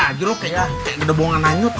masuk aja lu kayak gede bongga nanyut